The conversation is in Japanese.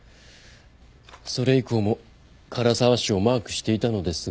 それ以降も唐澤氏をマークしていたのですが。